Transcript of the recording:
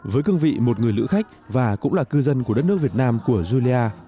với cương vị một người lữ khách và cũng là cư dân của đất nước việt nam của guia